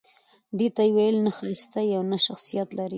دې ته يې وويل نه ښايسته يې او نه شخصيت لرې